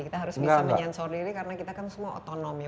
kita harus bisa menyensor diri karena kita kan semua otonom ya